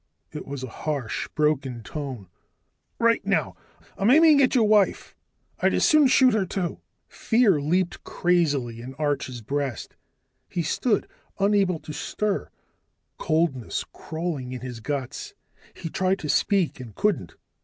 It was a harsh, broken tone. "Right now I'm aiming at your wife. I'd as soon shoot her, too." Fear leaped crazily in Arch's breast. He stood unable to stir, coldness crawling in his guts. He tried to speak, and couldn't.